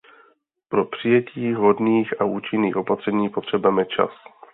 Pro přijetí vhodných a účinných opatření potřebujeme čas.